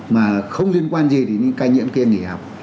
mà không liên quan gì đến những ca nhiễm kia nghỉ học